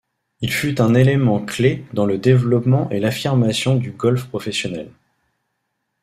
Il fut un élément clé dans le développement et l’affirmation du golf professionnel.